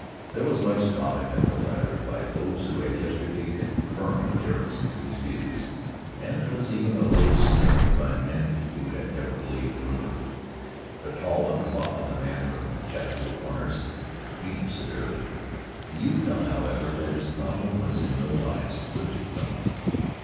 There was much scoffing at the latter by those who had yesterday been firm adherents of his views, and there was even a little sneering by men who had never believed the rumor. The tall one fought with a man from Chatfield Corners and beat him severely. The youth felt, however, that his problem was in no wise lifted from him.